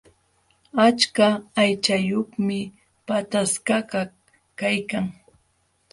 Achka aychayuqmi pataskakaq kaykan.